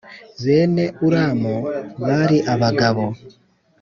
Bene Ulamu bari abagabo